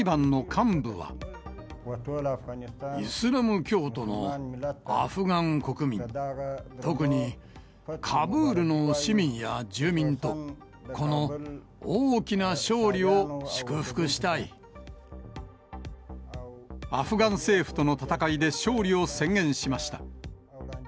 イスラム教徒のアフガン国民、特にカブールの市民や住民と、アフガン政府との戦いで勝利を宣言しました。